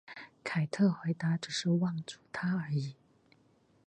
凯特回答只是望住他而已。